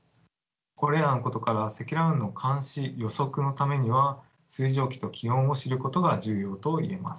これらのことから積乱雲の監視予測のためには水蒸気と気温を知ることが重要と言えます。